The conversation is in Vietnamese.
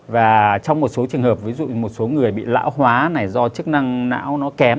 và trong một số trường hợp ví dụ một số người bị lão hóa này do chức năng não nó kém